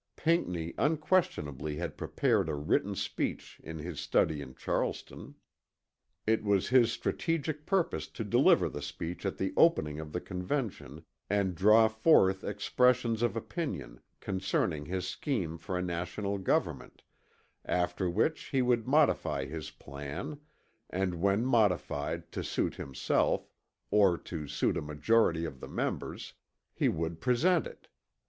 Pinckney unquestionably had prepared a written speech in his study in Charleston. It was his strategic purpose to deliver the speech at the opening of the Convention and draw forth expressions of opinion concerning his scheme for a National government, after which he would modify his plan and when modified to suit himself or to suit a majority of the members, he would present it.